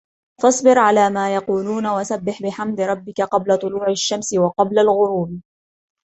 فاصبر على ما يقولون وسبح بحمد ربك قبل طلوع الشمس وقبل الغروب